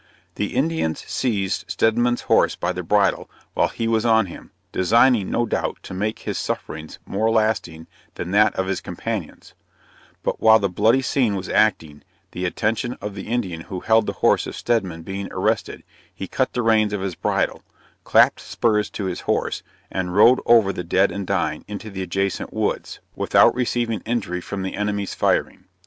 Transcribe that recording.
The Indians seized Stedman's horse by the bridle, while he was on him, designing, no doubt, to make his sufferings more lasting than that of his companions: but while the bloody scene was acting, the attention of the Indian who held the horse of Stedman being arrested, he cut the reins of his bridle clapped spurs to his horse, and rode over the dead and dying, into the adjacent woods, without receiving injury from the enemy's firing.